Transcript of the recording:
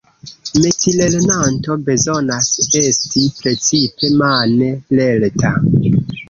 Metilernanto bezonas esti precipe mane lerta.